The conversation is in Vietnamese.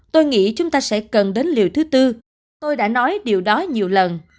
tôi nghĩ chúng ta sẽ cần đến liều thứ tư tôi đã nói điều đó nhiều lần